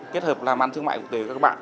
kết hợp làm ăn thương mại quốc tế với các bạn